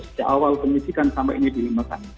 sejak awal pendidikan sampai ini dilimpahkan